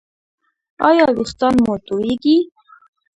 ایا ویښتان مو توییږي؟